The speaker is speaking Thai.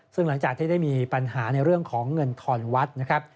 ซึ่งหลังจากที่ได้มีปัญหาในเรื่องของเงินทอนวัดนะครับ